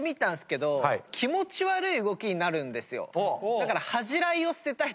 だから。